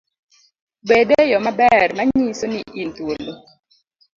Bed eyo maber manyiso ni in thuolo